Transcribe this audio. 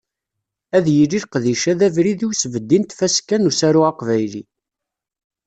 Ad yili leqdic-a d abrid i usbeddi n Tfaska n usaru aqbayli.